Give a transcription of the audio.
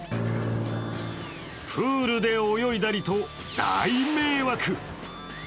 プールで泳いだりと、大迷惑。